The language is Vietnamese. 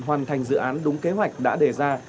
hoàn thành dự án đúng kế hoạch đã đề ra